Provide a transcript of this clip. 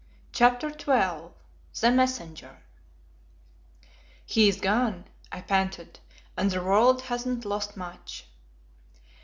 CHAPTER XII THE MESSENGER "He is gone," I panted, "and the world hasn't lost much."